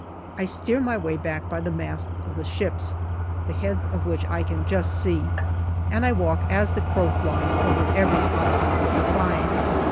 I steer my way back by the masts of the ships, the heads of which I can just see, and I walk as the crow flies over every obstacle I find.